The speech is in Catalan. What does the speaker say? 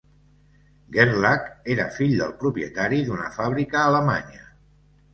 Gerlach era fill del propietari d'una fàbrica alemanya.